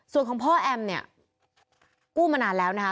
ส่วนของพ่อแอมเนี่ยกู้มานานแล้วนะคะ